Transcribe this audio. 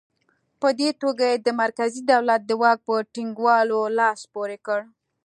په دې توګه یې د مرکزي دولت د واک په ټینګولو لاس پورې کړ.